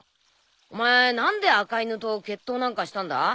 お前何で赤犬と決闘なんかしたんだ？